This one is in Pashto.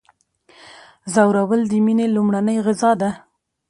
ځورول د میني لومړنۍ غذا ده.